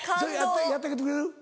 やってあげてくれる？